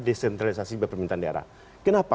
desentralisasi pemerintahan daerah kenapa